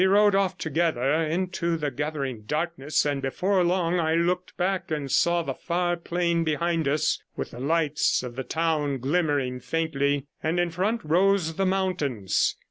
We rode off together into the gathering darkness and before long I looked back and saw the far plain behind us, with the lights of the town glimmering faintly; and in front rose the mountains.